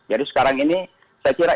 jadi sekarang ini saya kira